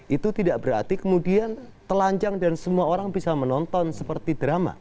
itu tidak berarti kemudian telanjang dan semua orang bisa menonton seperti drama